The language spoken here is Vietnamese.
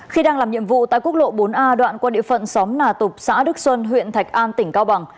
khi đang làm nhiệm vụ tại quốc lộ bốn a đoạn qua địa phận xóm nà tục xã đức xuân huyện thạch an tỉnh cao bằng